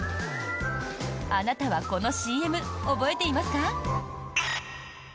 あなたはこのＣＭ覚えていますか？